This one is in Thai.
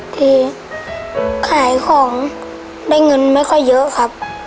ที่ขายของได้เงินไม่ค่อยเยอะครับ